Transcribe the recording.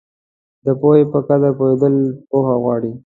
د پوهې په قدر پوهېدل پوهه غواړي.